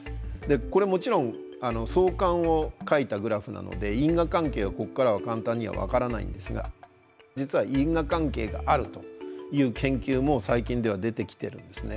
これもちろん相関を描いたグラフなので因果関係はここからは簡単には分からないんですが実は因果関係があるという研究も最近では出てきてるんですね。